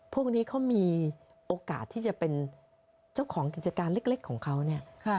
พวกนี้เขามีโอกาสที่จะเป็นเจ้าของกิจการเล็กของเขาเนี่ย